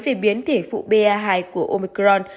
về biến thể phụ ba hai của omicron